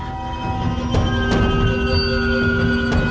sebagai pembawa ke dunia